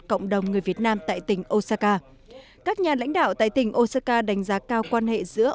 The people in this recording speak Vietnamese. cộng đồng người việt nam tại tỉnh osaka các nhà lãnh đạo tại tỉnh osaka đánh giá cao quan hệ giữa